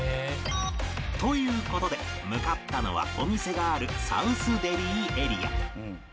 という事で向かったのはお店があるサウスデリーエリア